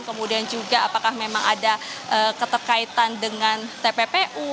kemudian juga apakah memang ada keterkaitan dengan tppu